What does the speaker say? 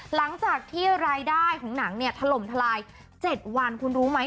หลังจากที่รายได้ของหนังเนี่ยถล่มทลาย๗วันคุณรู้ไหม